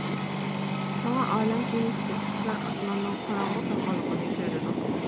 شۇڭا ئالەم كېمىسىدىكى ئۇچقۇچىلار ئاسماننىڭ قاراڭغۇ تۇرغانلىقىنى كۆرىدۇ.